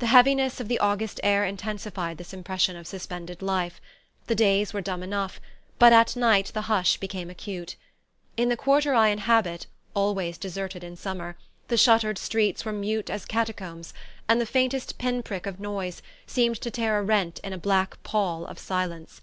The heaviness of the August air intensified this impression of suspended life. The days were dumb enough; but at night the hush became acute. In the quarter I inhabit, always deserted in summer, the shuttered streets were mute as catacombs, and the faintest pin prick of noise seemed to tear a rent in a black pall of silence.